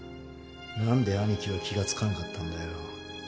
何で兄貴は気が付かなかったんだよ。